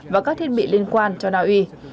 và các thiết bị liên quan cho naui